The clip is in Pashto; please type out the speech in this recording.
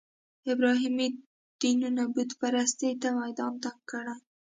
ابراهیمي دینونو بوت پرستۍ ته میدان تنګ کړی.